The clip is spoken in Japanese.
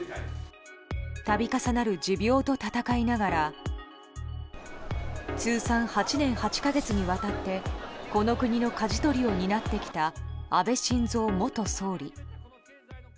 度重なる持病と闘いながら通算８年８か月にわたってこの国のかじ取りを担ってきた安倍晋三元総理。